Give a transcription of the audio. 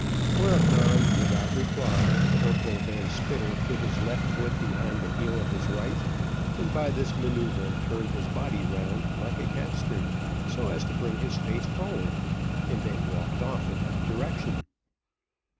Whereupon, without reply, Corporal Van Spitter put his left foot behind the heel of his right, and by this manoeuvre turned his body round like a capstern, so as to bring his face forward, and then walked off in that direction.